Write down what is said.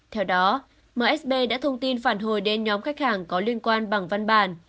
theo đó msb đã thông tin phản hồi đến nhóm khách hàng có liên quan bằng văn bản